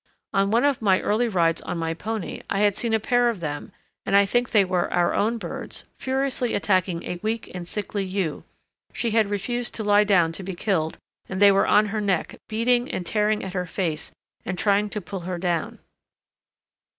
On one of my early rides on my pony I had seen a pair of them, and I think they were our own birds, furiously attacking a weak and sickly ewe; she had refused to lie down to be killed, and they were on her neck, beating and tearing at her face and trying to pull her down.